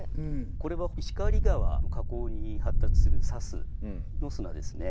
これは石狩川の河口に発達する砂州の砂ですね。